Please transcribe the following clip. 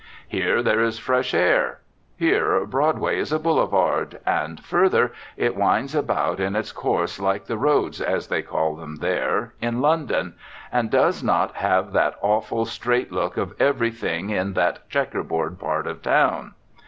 Here there is fresh air. Here Broadway is a boulevard, and, further, it winds about in its course like the roads, as they call them there, in London, and does not have that awful straight look of everything in that checker board part of town.